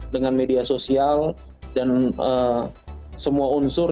dengan media sosial dan semua unsur